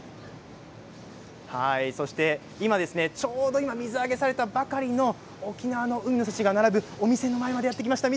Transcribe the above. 今ちょうど水揚げされたばかりの海の幸が並ぶお店の前にやって来ました。